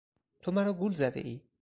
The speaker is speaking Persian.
تو مرا گول زدهای!